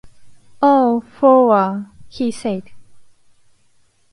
"Oh, Fowler," he said.